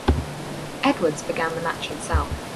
Edwards began the match himself.